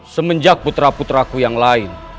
semenjak putra putraku yang lain